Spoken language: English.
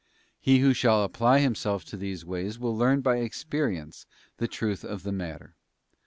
He who shall apply himself to these' ways will learn by experience the truth of the matter.